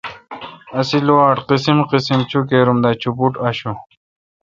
اسےلوآٹ قسیم قسیمچوکیر ام دا چوپوٹ آݭونس